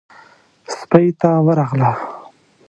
سپۍ ته ورغله.